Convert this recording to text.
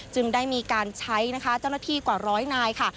จึงก็ทำได้มีการใช้จ้อหน้าทีกว่าร้อยนายค่ะ